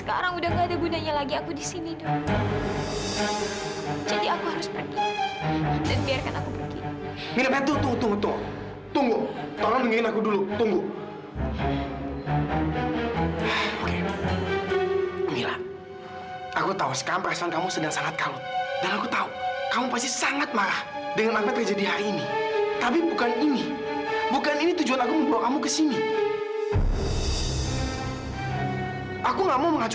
kalau orang bersama kamu selama ini suami kamu